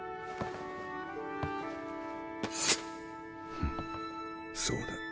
フそうだ